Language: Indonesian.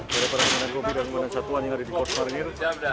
para perwira dan komandan satuan yang ada di kursus marinir